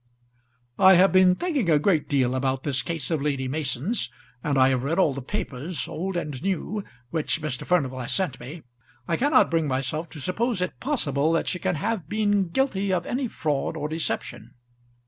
"I have been thinking a great deal about this case of Lady Mason's, and I have read all the papers, old and new, which Mr. Furnival has sent me. I cannot bring myself to suppose it possible that she can have been guilty of any fraud or deception."